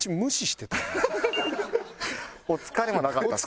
「お疲れ」もなかったです。